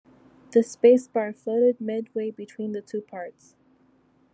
The space bar floated midway between the two parts.